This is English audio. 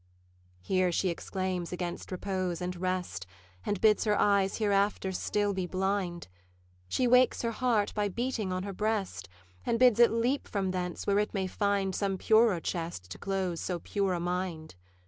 Here she exclaims against repose and rest, And bids her eyes hereafter still be blind. She wakes her heart by beating on her breast, And bids it leap from thence, where it may find Some purer chest to close so pure a mind.